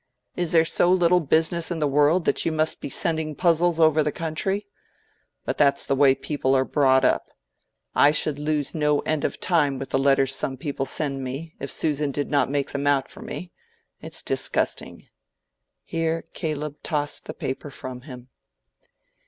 "Is there so little business in the world that you must be sending puzzles over the country? But that's the way people are brought up. I should lose no end of time with the letters some people send me, if Susan did not make them out for me. It's disgusting." Here Caleb tossed the paper from him.